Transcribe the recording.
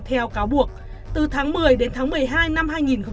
theo cáo buộc từ tháng một mươi đến tháng một mươi hai năm hai nghìn hai mươi hai